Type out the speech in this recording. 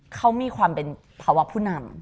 เขามีความเป็นภาวะผู้นำ